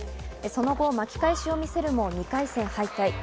その後、巻き返しを見せるも２回戦敗退。